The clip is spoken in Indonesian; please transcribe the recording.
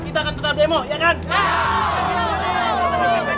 kita akan tetap demo ya kan